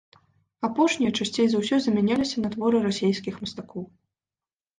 Апошнія часцей за ўсё замяняліся на творы расійскіх мастакоў.